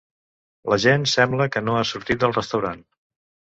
La gent sembla que no ha sortit del restaurant.